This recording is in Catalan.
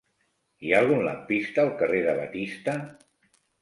Hi ha algun lampista al carrer de Batista?